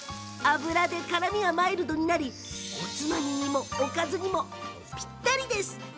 脂で辛みがマイルドになりおつまみにもおかずにもぴったりです。